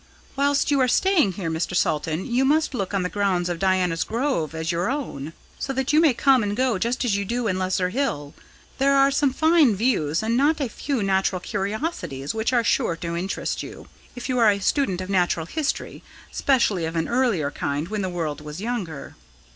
"Whilst you are staying here, Mr. Salton, you must look on the grounds of Diana's Grove as your own, so that you may come and go just as you do in Lesser Hill. There are some fine views, and not a few natural curiosities which are sure to interest you, if you are a student of natural history specially of an earlier kind, when the world was younger."